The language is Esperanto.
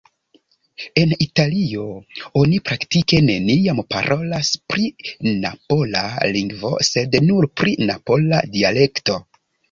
En Italio, oni praktike neniam parolas pri napola "lingvo", sed nur pri napola "dialekto".